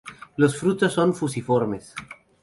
Los frutos son fusiformes.